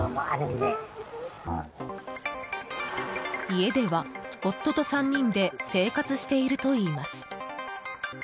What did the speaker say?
家では夫と３人で生活しているといいます。